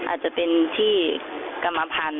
อาจจะเป็นที่กรรมพันธ์